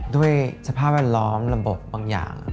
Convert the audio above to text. ด้วยสภาพแวดล้อมระบบบางอย่าง